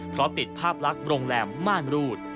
เพราะติดภาพลักษณ์โรงแรมม่านรูด